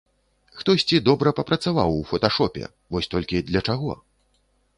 Хтосьці добра папрацаваў у фоташопе, вось толькі для чаго?